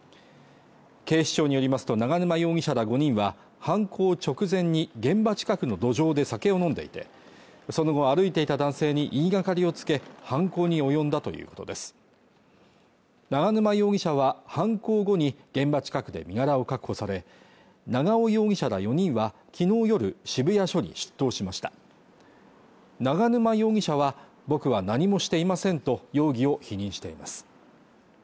警視庁によりますと永沼容疑者ら５人は犯行直前に現場近くの路上で酒を飲んでいてその後歩いていた男性に言いがかりをつけ犯行に及んだということです永沼容疑者は犯行後に現場近くで身柄を確保され長尾容疑者ら４人は昨日夜渋谷署に出頭しました永沼容疑者は僕は何もしていませんと容疑を否認しています